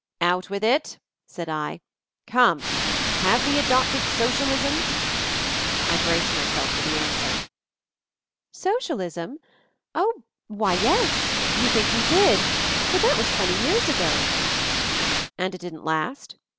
"Out with it!" said I. "Come— Have we adopted Socialism?" I braced myself for the answer. __ "Socialism? Oh — wny, yes. I think we did. But that was twenty years ago." "And it didn't last?